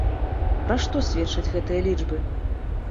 Пра што сведчаць гэтыя лічбы?